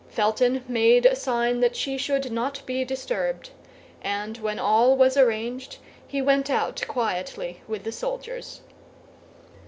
Felton made a sign that she should not be disturbed; and when all was arranged, he went out quietly with the soldiers.